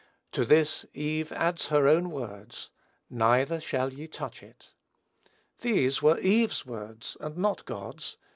To this Eve adds her own words, "neither shall ye touch it." These were Eve's words and not God's.